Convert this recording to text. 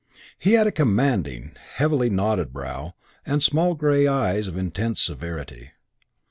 He had a commanding, heavily knobbed brow, and small grey eyes of intense severity.